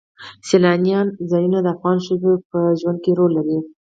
سیلانی ځایونه د افغان ښځو په ژوند کې رول لري.